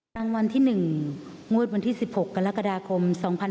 รางวัลที่๑งวดวันที่๑๖กรกฎาคม๒๕๖๒